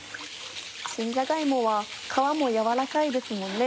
新じゃが芋は皮も柔らかいですもんね。